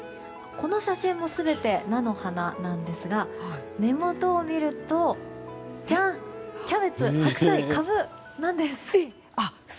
この写真も全て菜の花なんですが根元を見るとキャベツ、白菜、カブなんです！